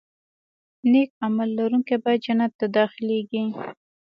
نیک عمل لرونکي به جنت ته داخلېږي.